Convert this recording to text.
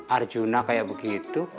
arjuna kayak begitu